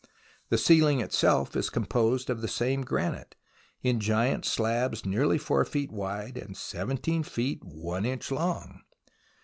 The ceiling itself is composed of the same granite, in giant slabs nearly 4 feet wide and 17 feet I inch long.